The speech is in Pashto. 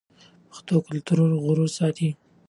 پښتو کلتوري غرور ساتي.